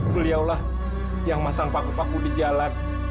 beliaulah yang masang paku paku di jalan